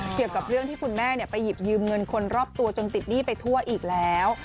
เกี่ยวกับเรื่องที่คุณแม่ไปหยิบยืมเงินคนรอบตัวจนติดหนี้ไปทั่วอีกแล้ว